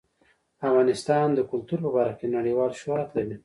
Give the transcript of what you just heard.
افغانستان د کلتور په برخه کې نړیوال شهرت لري.